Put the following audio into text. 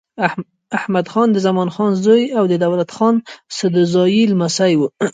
احمدخان د زمان خان زوی او د دولت خان سدوزايي لمسی و.